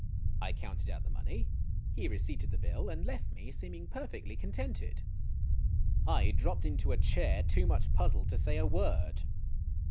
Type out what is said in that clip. I counted out the money. He receipted the bill and left me, seeming perfectly contented. I dropped into a chair, too much puzzled to say a word.